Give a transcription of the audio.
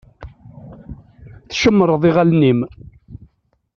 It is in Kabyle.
Tcemmṛeḍ iɣallen-im.